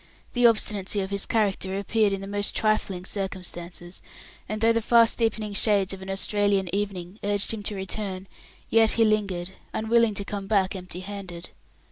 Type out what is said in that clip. The obstinacy of his character appeared in the most trifling circumstances, and though the fast deepening shades of an Australian evening urged him to return, yet he lingered, unwilling to come back empty handed.